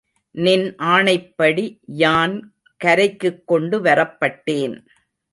நின் ஆணைப்படி யான் கரைக்குக் கொண்டு வரப்பட்டேன்.